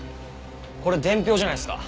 これ伝票じゃないっすか？